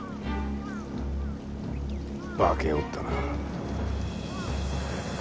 化けおったな。